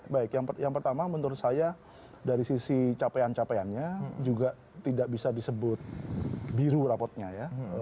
baik yang pertama menurut saya dari sisi capaian capaiannya juga tidak bisa disebut biru rapotnya ya